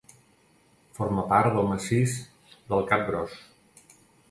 Forma part del massís del Cap Gros.